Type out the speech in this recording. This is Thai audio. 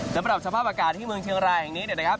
สำหรับสภาพอากาศที่เมืองเชียงรายแห่งนี้เนี่ยนะครับ